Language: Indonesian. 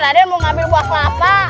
raden mau ambil buah kelapa